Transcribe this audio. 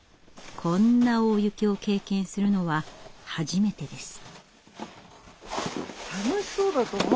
こんな大雪を経験するのは初めてです。